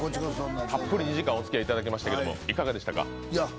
たっぷり２時間おつきあいいただきましたけれどもいかがでしたか。